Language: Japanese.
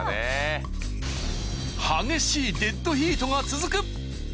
［激しいデッドヒートが続く］